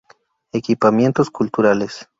Equipamientos culturales.